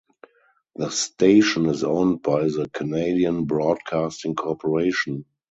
The station is owned by the Canadian Broadcasting Corporation.